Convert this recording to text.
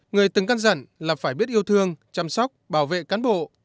người từng căn dặn là phải biết yêu thương chăm sóc bảo vệ cán bộ